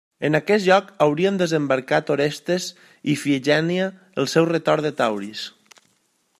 En aquest lloc haurien desembarcat Orestes i Ifigènia al seu retorn de Tauris.